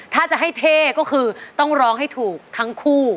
ถ้าจะให้เท่ก็คือต้องร้องให้ถูกทั้งคู่